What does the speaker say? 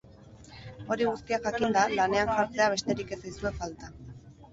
Hori guztia jakinda, lanean jartzea besterik ez zaizue falta!